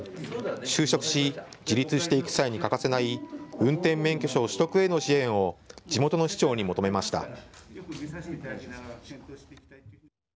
就職し、自立していく際に欠かせない運転免許証取得への支援を地元の市長に求めました。